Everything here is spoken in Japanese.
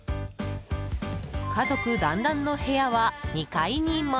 家族団らんの部屋は２階にも。